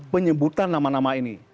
penyebutan nama nama ini